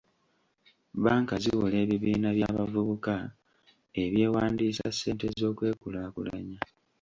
Banka ziwola ebibiina by'abavubuka ebyewandiisa ssente z'okwekulaakulanya.